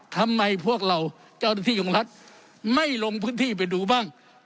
ทำไมพวกเราเจ้าหน้าที่ของรัฐไม่ลงพื้นที่ไปดูบ้าง